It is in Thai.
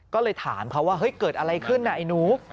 ก็เลยถามเขาว่าเฮ้ยเกิดอะไรขึ้นน่ะไอ้หนู